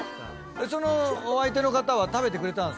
そのお相手の方は食べてくれたんですか？